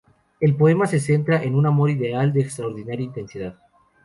El poema se centra en un amor ideal de extraordinaria intensidad.